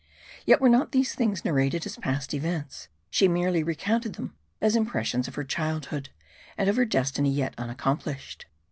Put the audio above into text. Yet were not these things narrated as past events ; she merely re counted them as impressions of her childhood, and of her destiny yet unaccomplished.